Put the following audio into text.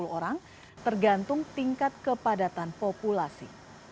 sepuluh orang tergantung tingkat kepadatan populasi